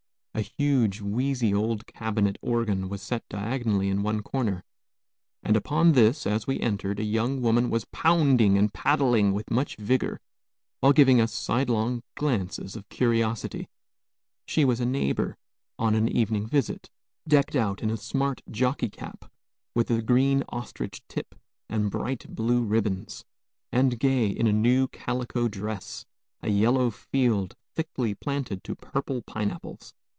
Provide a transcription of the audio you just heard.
A huge, wheezy old cabinet organ was set diagonally in one corner, and upon this, as we entered, a young woman was pounding and paddling with much vigor, while giving us sidelong glances of curiosity. She was a neighbor, on an evening visit, decked out in a smart jockey cap, with a green ostrich tip and bright blue ribbons, and gay in a new calico dress, a yellow field thickly planted to purple pineapples.